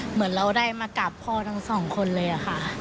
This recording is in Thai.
เหมือนเราได้มากราบพ่อทั้งสองคนเลยค่ะ